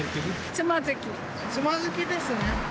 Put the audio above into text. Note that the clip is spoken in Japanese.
つまずきですね。